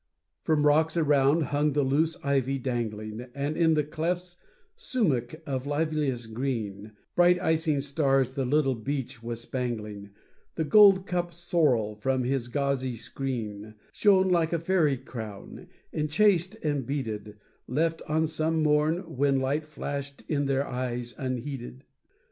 From rocks around hung the loose ivy dangling, And in the clefts sumach of liveliest green, Bright ising stars the little beach was spangling, The gold cup sorrel from his gauzy screen Shone like a fairy crown, enchased and beaded, Left on some morn, when light flashed in their eyes unheeded.